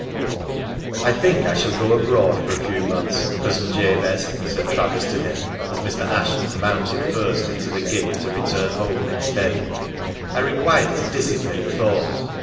" I think I shall go abroad for a few months, Cousin Jabez," said Travis to him, as Mr. Ashton mounted first into the gig to return home next day. " I require to dissipate thought.